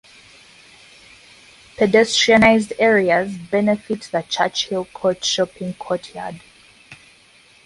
Pedestrianised areas benefit the Churchill Court Shopping Courtyard.